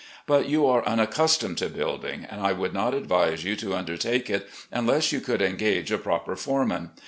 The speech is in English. But you are unaccus tomed to building, and I would not advise you to under take it, unless you could engage a proper foreman.